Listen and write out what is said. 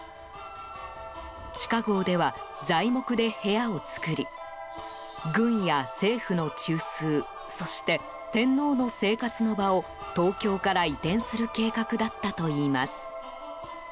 地下壕では材木で部屋を造り軍や政府の中枢そして、天皇の生活の場を東京から移転する計画だったといいます。